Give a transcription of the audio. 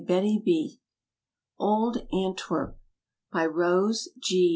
EUROPE Old Antwerp By ROSE G.